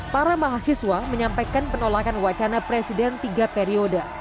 para mahasiswa menyampaikan penolakan wacana presiden tiga periode